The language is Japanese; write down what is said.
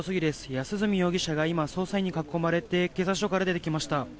安栖容疑者が今、捜査員に囲まれて警察署から出てきました。